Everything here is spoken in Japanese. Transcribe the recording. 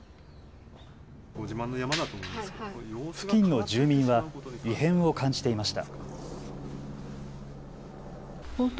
付近の住民は異変を感じていました。